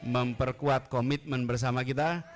memperkuat komitmen bersama kita